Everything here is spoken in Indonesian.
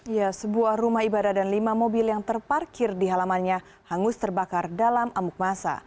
ya sebuah rumah ibadah dan lima mobil yang terparkir di halamannya hangus terbakar dalam amuk masa